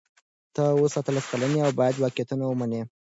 ته اوس اتلس کلنه یې او باید واقعیتونه ومنې.